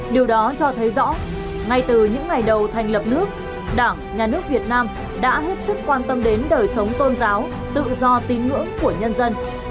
điều đó cho thấy rõ ngay từ những ngày đầu thành lập nước đảng nhà nước việt nam đã hết sức quan tâm đến đời sống tôn giáo tự do tín ngưỡng của nhân dân